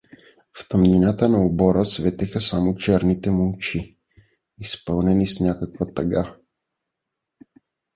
В тъмнината на обора светеха само черните му очи, пзпълнени с някаква тъга.